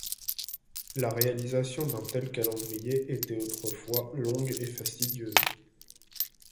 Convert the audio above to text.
La réalisation d'un tel calendrier était autrefois longue et fastidieuse.